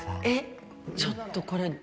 えっ、ちょっとこれ。